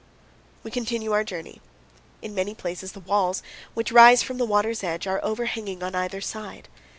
We continue our journey. In many places the walls, which rise from the water's edge, are overhanging on either side.